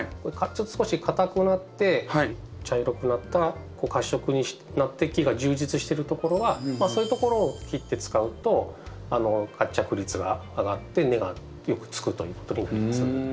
少し硬くなって茶色くなった褐色になって木が充実してるところはそういうところを切って使うと活着率が上がって根がよくつくということになります。